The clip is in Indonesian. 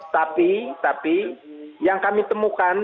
tapi tapi yang kami temukan